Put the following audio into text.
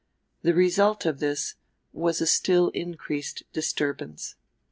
The result of this was a still increased disturbance.